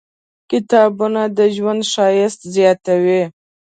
کتابونه د ژوند ښایست زیاتوي.